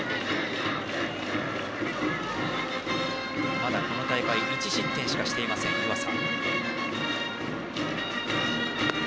まだこの大会１失点しかしていません、湯浅。